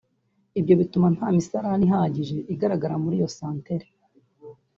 Ibyo bituma nta misarane ihagije igaragara muri iyo santere